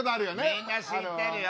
みんな知ってるよ。